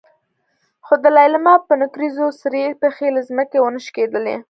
خو د لېلما په نکريزو سرې پښې له ځمکې ونه شکېدلې.